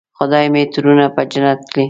خدای مې دې ترونه په جنت کړي.